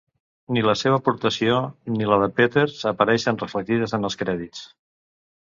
Ni la seva aportació, ni la de Peters apareixen reflectides en els crèdits.